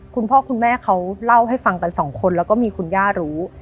คุณพ่อคุณแม่เขาเล่าให้ฟังกันสองคนแล้วก็มีคุณย่ารู้